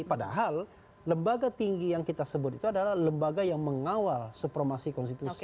padahal lembaga tinggi yang kita sebut itu adalah lembaga yang mengawal supremasi konstitusi